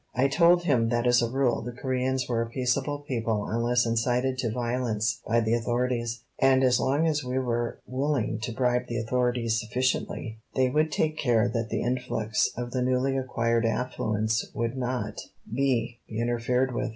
I told him that as a rule the Coreans were a peaceable people unless incited to violence by the authorities, and as long as we were willing to bribe the authorities sufficiently they would take care that the influx of the newly acquired affluence would not be interfered with.